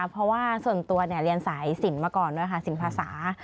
เพราะว่าส่วนตัวเรียนสายสินมาก่อนด้วยค่ะสินภาษา